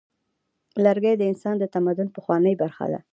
لرګی د انسان د تمدن پخوانۍ برخه ده.